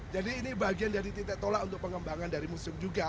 jadi ini bagian dari titik tolak untuk pengembangan dari museum juga